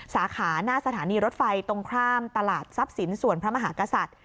สาขาหน้าสถานีรถไฟตรงข้ามตลาดทรัพย์สินส่วนพระมหากษัตริย์